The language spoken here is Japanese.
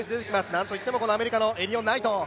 なんといってもアメリカのエリヨン・ナイトン。